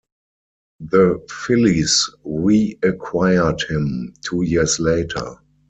The Phillies reacquired him two years later.